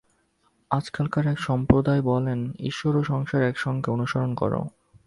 আজকালকার এক সম্প্রদায় বলেন, ঈশ্বর ও সংসার একসঙ্গে অনুসরণ কর।